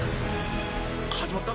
始まった？